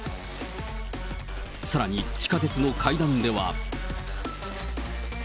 さらに地下鉄の階段では。